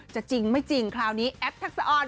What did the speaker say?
จริงไม่จริงคราวนี้แอปทักษะออน